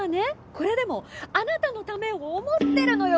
これでもあなたのためを思ってるのよ